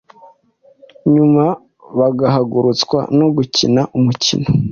nyuma bagahagurutswa no gukina umukino,